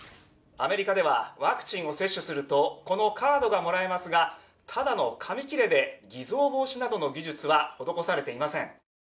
アメリカではワクチンを接種するとこのカードがもらえますがただの紙切れで偽造防止などの技術は施されていません。